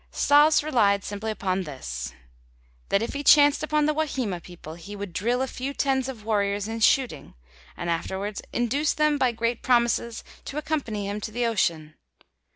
Stas relied simply upon this: that if he chanced upon the Wahima people, he would drill a few tens of warriors in shooting, and afterwards induce them by great promises to accompany him to the ocean.